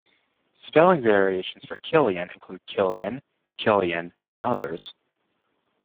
Spelling variations for Killian include Kilian, Killion, and others.